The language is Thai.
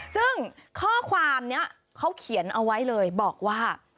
ซึ่งข้อความนี้เขาเขียนเอาไว้เลยบอกว่า